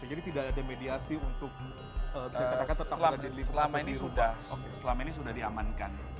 jadi tidak ada mediasi untuk selama ini sudah diamankan